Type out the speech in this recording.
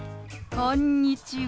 こんにちは。